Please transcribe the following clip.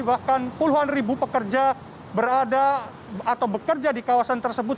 bahkan puluhan ribu pekerja berada atau bekerja di kawasan tersebut